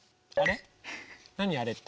何あれって？